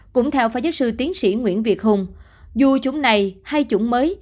cũng theo phát giác sư tiến sĩ nguyễn việt hùng dù chủng này hay chủng mới